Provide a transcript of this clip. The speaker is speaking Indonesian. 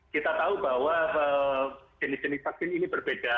kita tahu bahwa jenis jenis vaksin ini berbeda